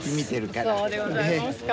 そうでございますか。